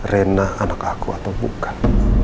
rena anak aku atau bukan